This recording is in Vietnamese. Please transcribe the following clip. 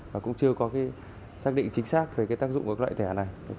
và cũng chưa có xác định chính xác về tác dụng của loại thẻ này